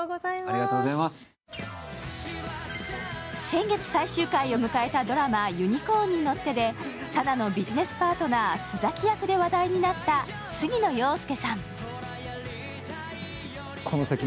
先月、最終回を迎えたドラマ「ユニコーンに乗って」で佐奈のビジネスパートナー、須崎役で話題になった杉野遥亮さん。